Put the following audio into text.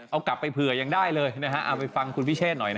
เอากลับไปเผื่อยังได้เลยนะฮะเอาไปฟังคุณพิเชษหน่อยนะ